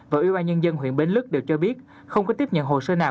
và ủy ban nhân dân huyện bến lức đều cho biết không có tiếp nhận hồ sơ nào